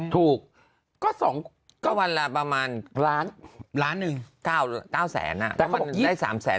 ตั้งแต่วันประมาณ๑ล้าน๙แสนและได้๓แสน